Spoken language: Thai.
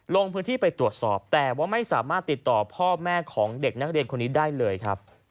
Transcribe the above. ลงพื้นที่ไปตรวจสอบแต่ว่าไม่สามารถติดต่อพ่อแม่ของเด็กนักเรียนคนนี้ได้เลยครับ